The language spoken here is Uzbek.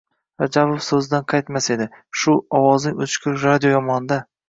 — Rajabov so‘zidan qaytmas edi. Shu, ovozing o‘chgur... radio yomon-da.